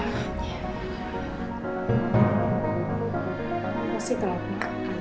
makasih kalau kamu makan begini nih